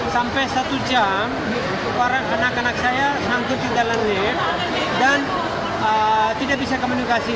sampai satu jam anak anak saya sangkut di dalam lift dan tidak bisa komunikasi